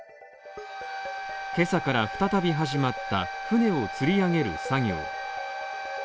今朝から再び始まった船をつり上げる作業。